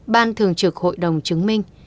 ban thường trực hội đồng chứng minh